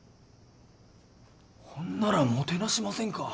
ほんならもてなしませんか？